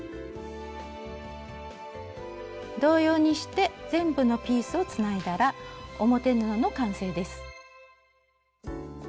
同様にして全部のピースをつないだら表布の完成です。